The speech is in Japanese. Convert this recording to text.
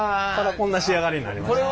こんな仕上がりになりました。